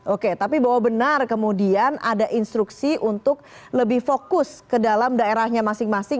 oke tapi bahwa benar kemudian ada instruksi untuk lebih fokus ke dalam daerahnya masing masing